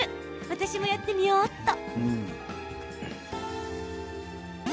私もやってみようっと。